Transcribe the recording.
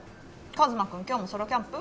一真君今日もソロキャンプ？